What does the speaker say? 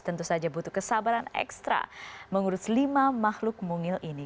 tentu saja butuh kesabaran ekstra mengurus lima makhluk mungil ini